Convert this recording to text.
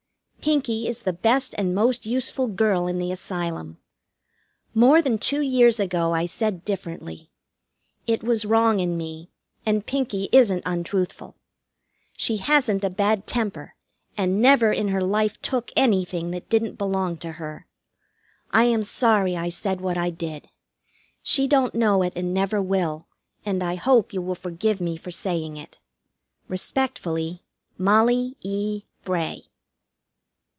Pinkie is the best and most useful girl in the Asylum. More than two years ago I said differently. It was wrong in me, and Pinkie isn't untruthful. She hasn't a bad temper, and never in her life took anything that didn't belong to her. I am sorry I said what I did. She don't know it and never will, and I hope you will forgive me for saying it. Respectfully, MOLLIE E. BRAY.